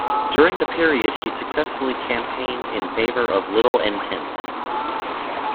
During the period, he successfully campaigned in favor of the Little Entente.